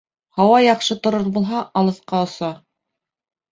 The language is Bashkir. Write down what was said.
Һауа яҡшы торор булһа, алыҫҡа оса.